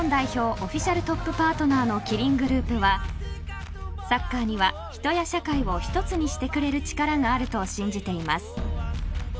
オフィシャルトップパートナーのキリングループはサッカーには、人や社会を一つにしてくれる力があると信じています。